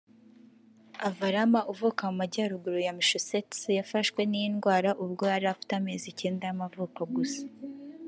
Avalanna uvuka mu majyaruguru ya Masschusettes yafashwe n’iyi ndwara ubwo yari afite amezi icyenda y’amavuko gusa